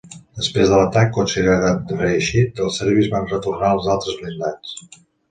Després de l'atac, considerat reeixit, els serbis van retornar els altres blindats.